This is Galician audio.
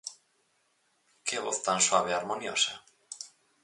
_Que voz tan suave e harmoniosa.